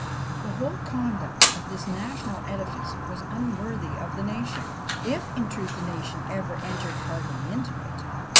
The whole conduct of this national edifice was unworthy of the nation, if in truth the nation ever entered heartily into it.